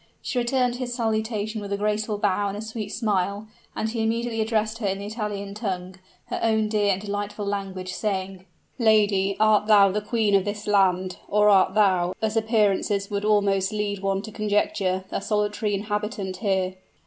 She returned his salutation with a graceful bow and a sweet smile: and he immediately addressed her in the Italian tongue her own dear and delightful language, saying, "Lady, art thou the queen of this land? or art thou, as appearances would almost lead one to conjecture, a solitary inhabitant here?"